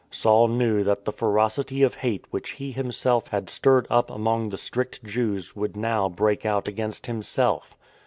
Saul knew that the ferocity of hate which he himself had stirred 94 IN TRAINING up among the strict Jews would now break out against himself.